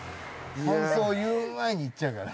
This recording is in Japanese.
感想言う前に行っちゃうから。